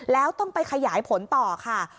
แล้วต้องไปขยายผลต่อค่ะ